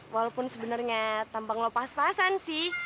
walaupun sebenernya tampang lo pas pasan sih